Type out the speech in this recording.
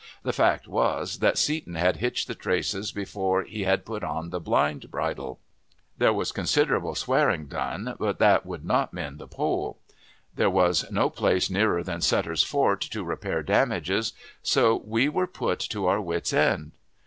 The fact was, that Seton had hitched the traces before he had put on the blind bridle. There was considerable swearing done, but that would not mend the pole. There was no place nearer than Sutter's Fort to repair damages, so we were put to our wits' end.